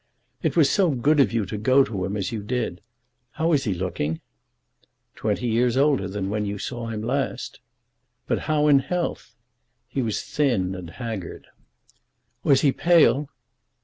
"It was so good of you to go to him as you did. How was he looking?" "Twenty years older than when you saw him last." "But how in health?" "He was thin and haggard." "Was he pale?"